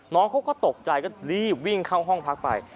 น้องเขาก็ตกใจก็รีบวิ่งเข้าห้องพักไป